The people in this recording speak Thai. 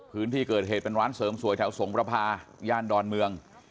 พื้นที่เกิดเหตุเป็นร้านเสริมสวยแถวสงประพาย่านดอนเมือง